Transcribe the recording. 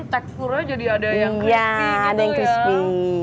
teksturnya jadi ada yang iya adek krispi